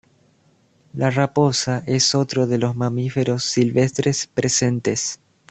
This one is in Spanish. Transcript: La raposa es otro de los mamíferos silvestres presentes.